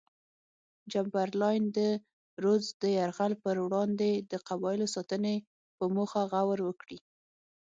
چمبرلاین د رودز د یرغل پر وړاندې د قبایلو ساتنې په موخه غور وکړي.